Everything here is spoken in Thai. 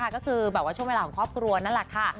ก็คือแบบว่าช่วงเวลาของครอบครัวนั่นแหละค่ะ